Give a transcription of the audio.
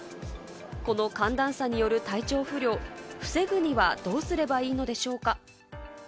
この寒暖差による体調不良、防ぐにはどうすればいいのでしょうか？